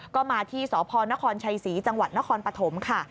ก็มาที่สพนครชัยศรีจังหวัดนครปฐมค่ะ